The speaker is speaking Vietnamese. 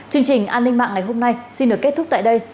chương trình an ninh mạng ngày hôm nay xin được kết thúc tại đây